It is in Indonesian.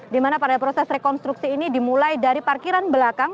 di mana pada proses rekonstruksi ini dimulai dari parkiran belakang